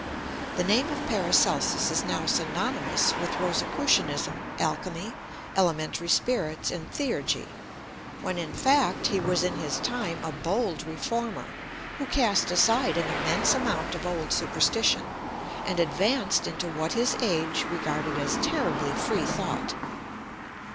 The name of PARACELSUS is now synonymous with Rosicrucianism, Alchemy, Elementary Spirits and Theurgy, when, in fact, he was in his time a bold reformer, who cast aside an immense amount of old superstition, and advanced into what his age regarded as terribly free thought.